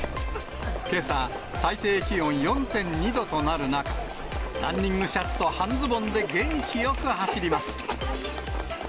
けさ、最低気温４．２度となる中、ランニングシャツと半ズボンで元気よく走ります。